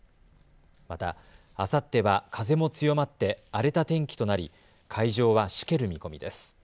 また、あさっては風も強まって荒れた天気となり海上はしける見込みです。